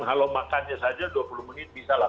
kalau makannya saja dua puluh menit bisa lah